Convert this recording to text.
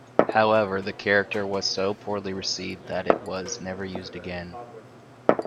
However, the character was so poorly received that it was never used again.